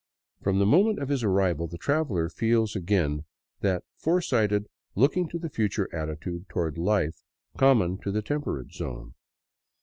From the moment of his arrival the traveler feels again that foresighled, looking to the future attitude toward life common to the temperate zone.